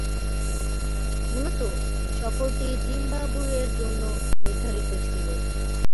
মূলতঃ সফরটি জিম্বাবুয়ের জন্য নির্ধারিত ছিল।